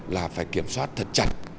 là phải kiểm soát thật chặt